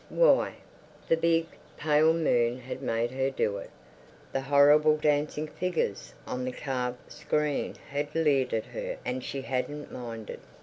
Why? The big, pale moon had made her do it. The horrible dancing figures on the carved screen had leered at her and she hadn't minded.